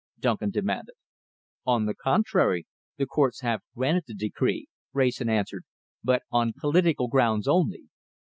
Duncan demanded. "On the contrary, the courts have granted the decree," Wrayson answered, "but on political grounds only.